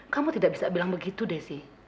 kamu tidak bisa bilang begitu desi